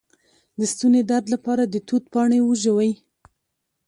د ستوني درد لپاره د توت پاڼې وژويئ